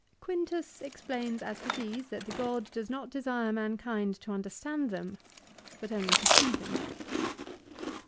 Quintus explains as to these that the god does not desire mankind to understand them, but only to use them.